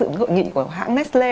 dựng hội nghị của hãng nestle